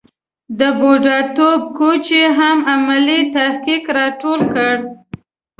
د بوډاتوب کوچ یې هم علمي تحقیق را ټول کړی.